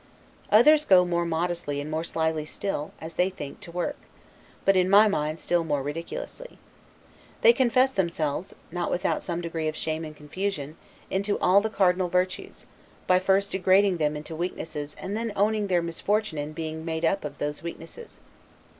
Others go more modestly and more slyly still (as they think) to work; but in my mind still more ridiculously. They confess themselves (not without some degree of shame and confusion) into all the Cardinal Virtues, by first degrading them into weaknesses and then owning their misfortune in being made up of those weaknesses.